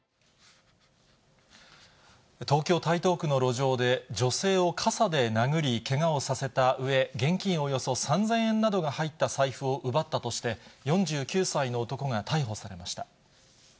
東京・台東区の路上で、女性を傘で殴り、けがをさせたうえ、現金およそ３０００円などが入った財布を奪ったとして、４９歳の男が逮捕されました。